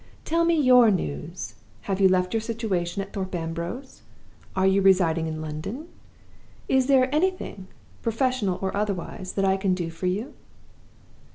Tell me your news! Have you left your situation at Thorpe Ambrose? Are you residing in London? Is there anything, professional or otherwise, that I can do for you?